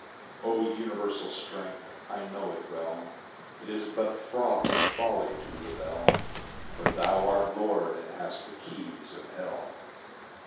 O universal strength, I know it well, It is but froth of folly to rebel; For thou art Lord and hast the keys of Hell.